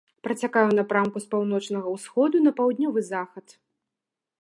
Працякае ў напрамку з паўночнага ўсходу на паўднёвы захад.